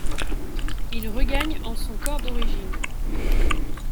Il regagne en son corps d'origine.